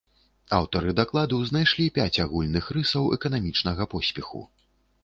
Аўтары дакладу знайшлі пяць агульных рысаў эканамічнага поспеху.